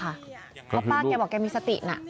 เพราะป้าแกบอกแกมีสตินะ